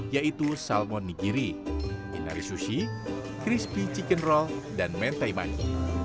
yaitu salmon nigiri inari sushi crispy chicken roll dan mentai mandi